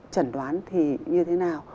chẩn đoán thì như thế nào